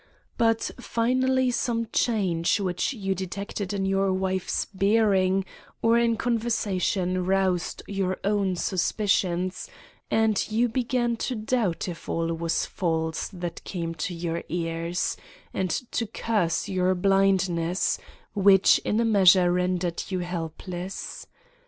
But finally some change which you detected in your wife's bearing or conversation roused your own suspicions, and you began to doubt if all was false that came to your ears, and to curse your blindness, which in a measure rendered you helpless.